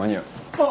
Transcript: あっ！